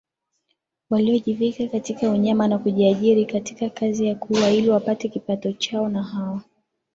waliojivika unyama na kujiajiri katika kazi ya kuua ili wapate kipato chao Na hawa